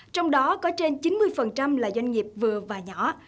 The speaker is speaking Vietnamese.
trong đó có trên chín mươi là doanh nghiệp vừa và lần đầu